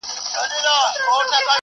که زیار وباسو، نو د پرمختګ امکان سته.